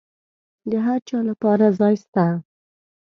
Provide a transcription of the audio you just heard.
د هرچا لپاره ځای سته.